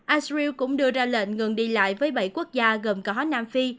anh israel cũng đưa ra lệnh ngừng đi lại với bảy quốc gia gồm có nam phi